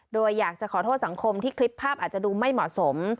โดยอยากจะขอโทษสังคมที่คลิปภาพอาจจะดูไม่เหมาะสม